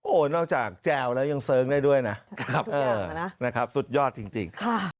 โอ้นอกจากแจ่วแล้วยังเสิร์กได้ด้วยนะสุดยอดจริง